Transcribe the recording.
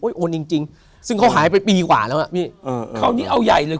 โอนจริงจริงซึ่งเขาหายไปปีกว่าแล้วอ่ะพี่เออคราวนี้เอาใหญ่เลย